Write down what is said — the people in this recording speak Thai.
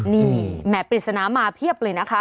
นี่แหม่ปริศนามาเพียบเลยนะคะ